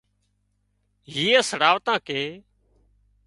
هيئي سڙاواتان ڪي